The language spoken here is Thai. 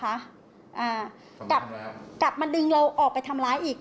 กลับมาดึงเราออกไปทำร้ายอีก